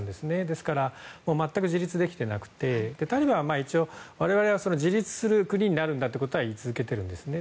ですから全く自立できていなくてタリバンは一応我々は自立する国になるんだと言い続けてるんですね。